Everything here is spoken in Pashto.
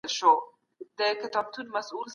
غیرت د پښتنو د ننګ او مېړاني یو پخوانی او اصیل رنګ دی.